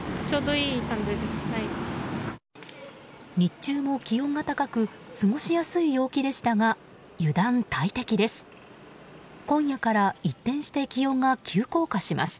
日中も気温が高く過ごしやすい陽気でしたが油断大敵です。